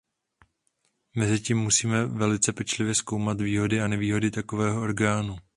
Mezitím musíme velice pečlivě zkoumat výhody a nevýhody takového orgánu.